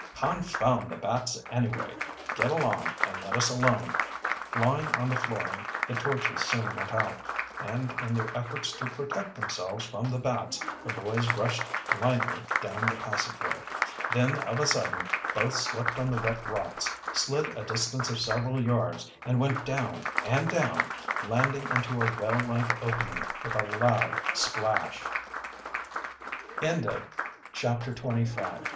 "Confound the bats anyway! Get along and let us alone!" Lying on the flooring the torches soon went out, and in their efforts to protect themselves from the bats the boys rushed blindly down the passageway. Then of a sudden both slipped on the wet rocks, slid a distance of several yards, and went down and down, landing into a well like opening with a loud splash! CHAPTER XXVI THE CAVE ON THE ISLAND "Tom!" "Sam!" "A